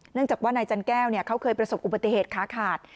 จากว่านายจันแก้วเขาเคยประสบอุบัติเหตุค้าขาด